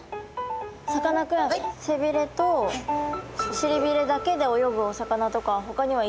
さかなクン背びれとしりびれだけで泳ぐお魚とかはほかにはいるんですか？